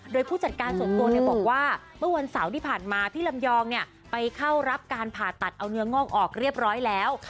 โดยผู้จัดการส่วนตัวบอกว่าเมื่อวันเสาร์ที่ผ่านมาพี่ลำยองไปเข้ารับการผ่าตัดเอาเนื้องอกออกเรียบร้อยแล้ว